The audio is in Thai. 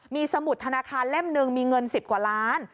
มีสมุดธนาคารเล่มหนึ่งมีเงิน๑๐กว่าล้าน